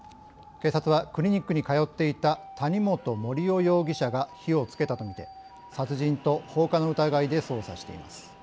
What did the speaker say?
警察は、クリニックに通っていた谷本盛雄容疑者が火をつけたとみて殺人と放火の疑いで捜査しています。